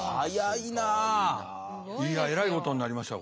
いやえらいことになりましたよ